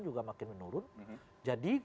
juga makin menurun jadi